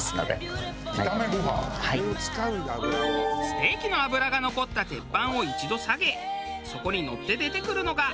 ステーキの脂が残った鉄板を一度下げそこにのって出てくるのが。